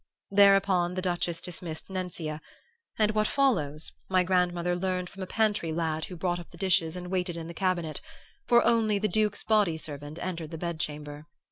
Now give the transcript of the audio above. Thereupon the Duchess dismissed Nencia, and what follows my grandmother learned from a pantry lad who brought up the dishes and waited in the cabinet; for only the Duke's body servant entered the bed chamber.